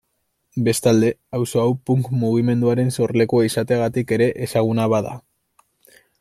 Bestalde, auzo hau Punk mugimenduaren sorlekua izateagatik ere ezaguna bada.